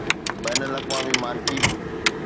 بين الاقوامي مارڪيٽ